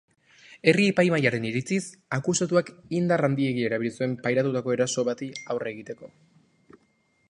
Herri-epaimahaiaren iritziz, akusatuak indar handiegia erabili zuen pairatutako eraso bati aurre egiteko.